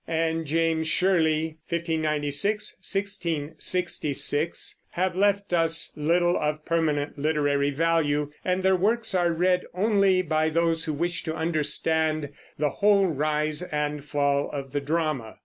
and James Shirley (1596 1666) have left us little of permanent literary value, and their works are read only by those who wish to understand the whole rise and fall of the drama.